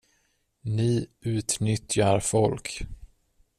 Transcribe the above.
Ni utnyttjar folk.